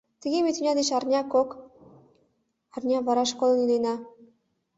Тыге ме тӱня деч арня-кок арня вараш кодын илена.